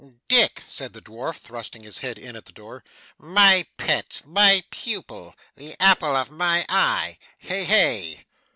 'Dick,' said the dwarf, thrusting his head in at the door, 'my pet, my pupil, the apple of my eye, hey, hey!